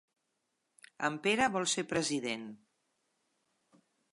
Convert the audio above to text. En Pere vol ser president.